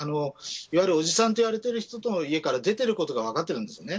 いわゆる、伯父さんと言われている人の家から出ていることが分かっているんですよね。